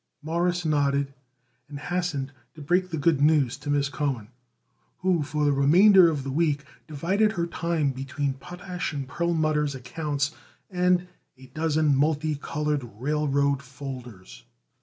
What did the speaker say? Morris nodded and hastened to break the good news to Miss Cohen, who for the remainder of the week divided her time between Potash & Perlmutter's accounts and a dozen multicolored railroad folders.